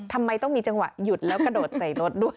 ทำไมต้องมีจังหวะหยุดแล้วกระโดดใส่รถด้วย